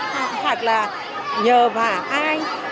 hoặc là nhờ vào ai